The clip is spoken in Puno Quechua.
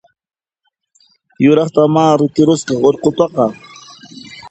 Yuraqtamá rit'irusqa urqutaqa!